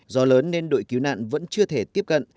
do lớn nên đội cứu nạn vẫn chưa thể tiếp cận